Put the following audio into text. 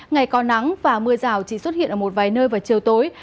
ngày có nắng và mưa rào chỉ xuất hiện ở một vài nơi vào chiều tối